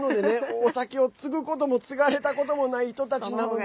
お酒をつぐこともつがれたこともない人たちなので